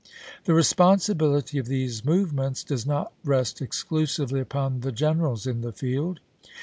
The respon sibility of these movements does not rest exclusively upon the generals in the field.